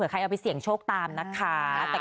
ใครเอาไปเสี่ยงโชคตามนะคะ